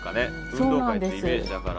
運動会ってイメージだから。